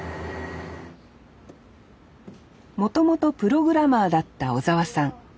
もともとプログラマーだった尾澤さん。